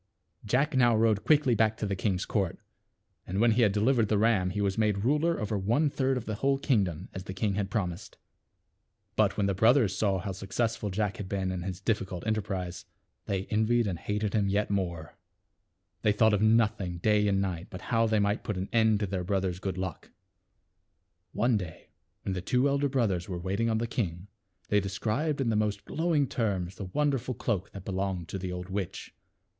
Jack now rowed quickly back to the king's court. And when he had delivered the ram he was made ruler over one third of the whole kingdom as the king had promised. But when the brothers saw how successful Jack had been THE WITCIE S TREASURES. 249 in his difficult enterprise, they envied and hated him yet more. They thought of nothing day and night but how they might put an end to their brother's good luck. One day when the two elder brothers were waiting on the king, they described in the most glowing terms the wonderful cloak that belonged to the old witch.